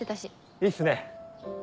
いいっすね。